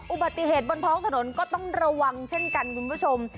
อุบัติเหตุบนท้องถนนก็ต้องระวังเช่นกันคุณผู้ชม